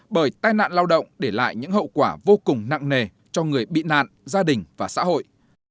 bởi tai nạn lao động để lại những hậu quả vô cùng nặng nề cho người bị nạn gia đình và xã hội